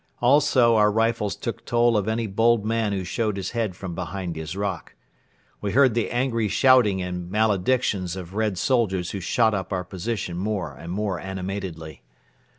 Also our rifles took toll of any bold man who showed his head from behind his rock. We heard the angry shouting and maledictions of Red soldiers who shot up our position more and more animatedly.